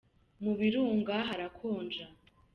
mubirunga harakonja